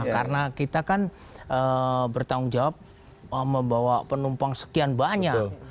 karena kita kan bertanggung jawab membawa penumpang sekian banyak